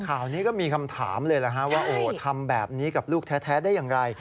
ข่าวนี้ก็มีคำถามเลยแหละฮะว่าโอ้ทำแบบนี้กับลูกแท้ได้อย่างไร